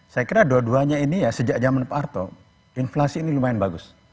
saya kira dua duanya ini ya sejak zaman pak arto inflasi ini lumayan bagus